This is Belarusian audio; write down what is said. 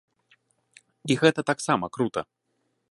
І гэта таксама крута!